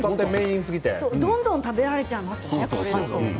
どんどん食べられちゃいますね。